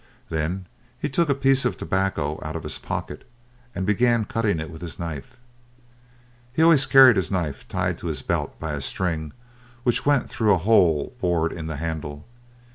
Then he took a piece of tobacco out of his pocket, and began cutting it with his knife. He always carried his knife tied to his belt by a string which went through a hole bored in the handle.